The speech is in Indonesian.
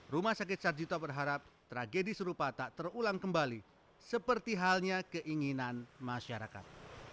rumah sakit sarjito berharap tragedi serupa tak terulang kembali seperti halnya keinginan masyarakat